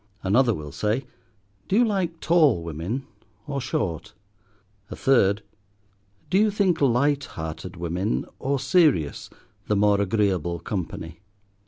Another will say, Do you like tall women or short? A third, Do you think light hearted women, or serious, the more agreeable company?